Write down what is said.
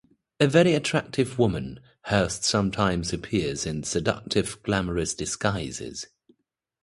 A very attractive woman, Hurst sometimes appears in seductive, glamorous disguises.